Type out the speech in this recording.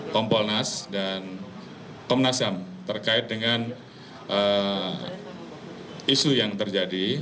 kompol nas dan komnasiam terkait dengan isu yang terjadi